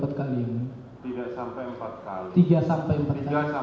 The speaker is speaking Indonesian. saat saudara menembak saudara melihat posisi korban